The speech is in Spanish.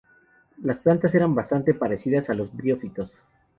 Las plantas eran bastante parecidas a los briófitos.